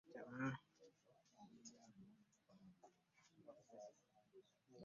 Amalwa gampoomeranga nnyo luli naye gantama!